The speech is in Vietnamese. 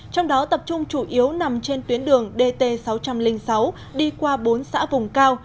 trong đó tập trung chủ yếu nằm trên tuyến đường dt sáu trăm linh sáu đi qua bốn xã vùng cao